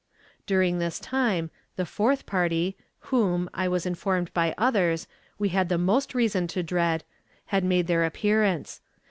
During this time, the fourth party, whom, I was informed by others, we had the most reason to dread, had made their appearance.